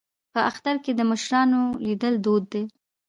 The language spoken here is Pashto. په اختر کې د مشرانو لیدل دود دی.